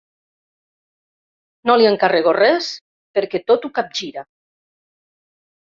No li encarrego res perquè tot ho capgira.